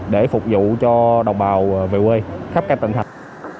để phục vụ cho đồng bào về quê khắp các tỉnh thành